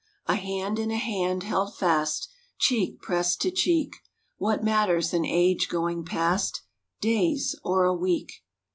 A hand in a hand held fast, Cheek pressed to cheek, What matters an age going past, Days, or a week